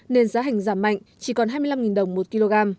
nên giá hành giảm mạnh chỉ còn hai mươi năm đồng một kg